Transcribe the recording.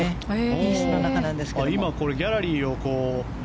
ヒースの中なんですけれども。